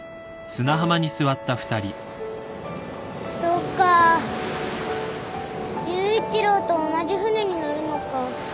そっか優一郎と同じ船に乗るのか。